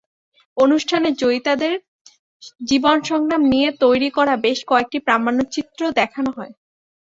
অনুষ্ঠানে জয়িতাদের জীবনসংগ্রাম নিয়ে তৈরি করা বেশ কয়েকটি প্রামাণ্যচিত্র দেখানো হয়।